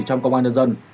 trong công an nhân dân